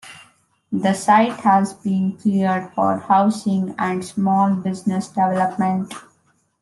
The site has been cleared for housing and small business development.